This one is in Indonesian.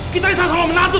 kita ini sama menantu tuh